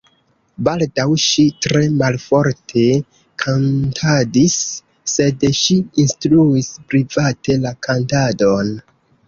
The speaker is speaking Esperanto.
Baldaŭ ŝi tre malofte kantadis, sed ŝi instruis private la kantadon.